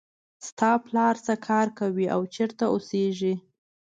د تا پلار څه کار کوي او چېرته اوسیږي